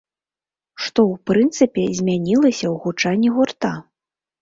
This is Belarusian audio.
Што ў прынцыпе змянілася ў гучанні гурта?